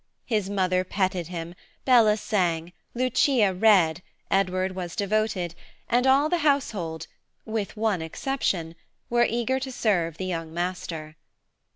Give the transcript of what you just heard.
His mother petted him, Bella sang, Lucia read, Edward was devoted, and all the household, with one exception, were eager to serve the young master.